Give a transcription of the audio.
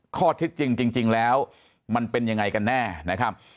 ข้อเท็จจริงจริงแล้วมันเป็นยังไงกันแน่นะครับ